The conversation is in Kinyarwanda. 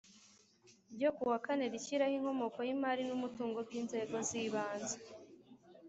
ryo ku wa kane rishyiraho inkomoko y imari n umutungo by inzego z ibanze